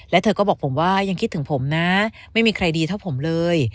และเธอก็บอกผมว่ายังคิดถึงผมนะไม่มีใครดีเท่าผมเลย